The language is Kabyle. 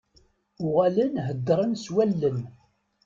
Uɣalen heddren s wallen.